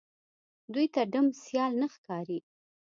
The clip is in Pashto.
دوی ته ډم سيال نه ښکاري